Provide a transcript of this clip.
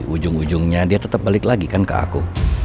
ujung ujungnya dia tetap balik lagi kan ke aku